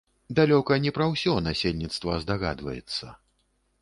Далёка не пра ўсе насельніцтва здагадвацца.